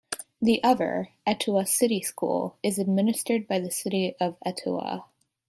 The other, Etowah City School, is administered by the city of Etowah.